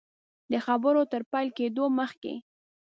د خبرو تر پیل کېدلو مخکي.